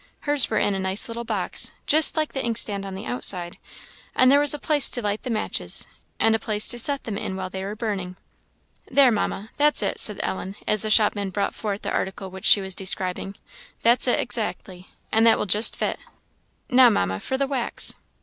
Hers were in a nice little box, just like the inkstand on the outside; and there was a place to light the matches, and a place to set them in while they are burning. There, Mamma, that's it," said Ellen, as the shopman brought forth the article which she was describing, "that's it exactly; and that will just fit. Now, Mamma, for the wax."